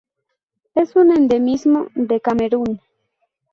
Es un endemismo de Camerún.